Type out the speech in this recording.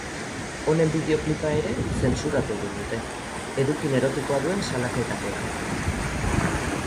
Honen bideoklipa ere zentsuratu egin dute, edukin erotikoa duen salaketapean.